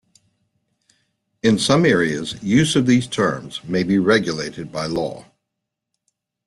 In some areas use of these terms may be regulated by law.